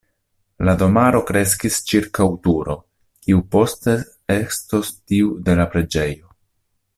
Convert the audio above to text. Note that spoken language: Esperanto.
La domaro kreskis ĉirkaŭ turo, kiu poste estos tiu de la preĝejo.